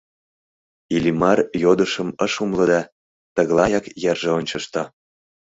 Иллимар йодышым ыш умыло да тыглаяк йырже ончышто.